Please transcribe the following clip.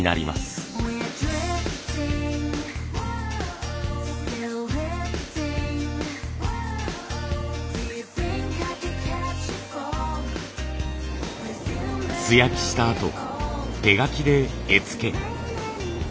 素焼きしたあと手描きで絵付け。